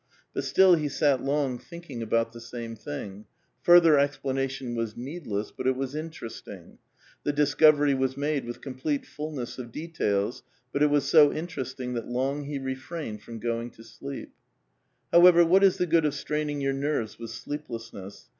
But still ho sat long thinking about the same thing ; further explanation was needless, but it was interesting ; the discov ery was made with complete fulness of details, but it was so interesting that long he refrained from going to sleep. However, what is the good of straining your nerves with sleeplessness?